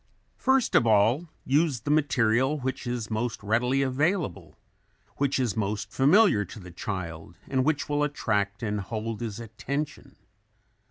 First of all use that material which is most readily available, which is most familiar to the child and which will attract and hold his attention.